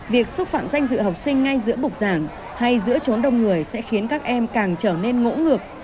việc xúc phạm danh dự học sinh ngay giữa bục giảng hay giữa trốn đông người sẽ khiến các em càng trở nên ngỗ ngược